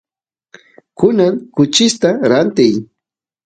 kunan kuchista rantiy